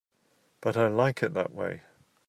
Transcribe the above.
But I like it that way.